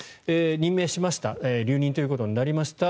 任命しました留任ということになりました。